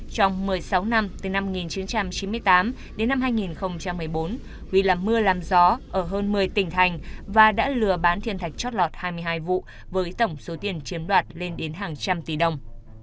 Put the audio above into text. trong một mươi sáu năm từ năm một nghìn chín trăm chín mươi tám đến năm hai nghìn một mươi bốn huy là mưa làm gió ở hơn một mươi tỉnh thành và đã lừa bán thiên thạch chót lọt hai mươi hai vụ với tổng số tiền chiếm đoạt lên đến hàng trăm tỷ đồng